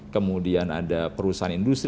kemudian ada perusahaan industri